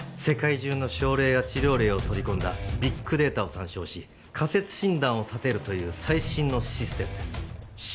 世界中の症例や治療例を取り込んだビッグデータを参照し仮説診断を立てるという最新のシステムです。